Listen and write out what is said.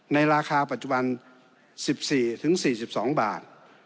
ในราคาปัจจุบัน๑๔๔๒บาท